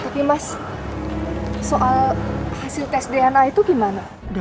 tapi mas soal hasil tes dna itu gimana